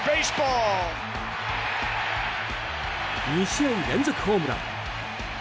２試合連続ホームラン。